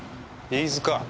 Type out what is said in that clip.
飯塚！